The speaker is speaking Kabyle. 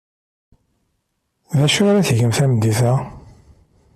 D acu ara tgemt tameddit-a?